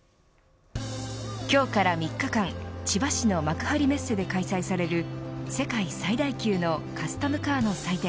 今日から３日間、千葉市の幕張メッセで開催される世界最大級のカスタムカーの祭典